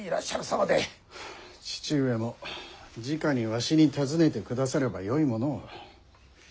はあ父上もじかにわしに尋ねてくださればよいものを。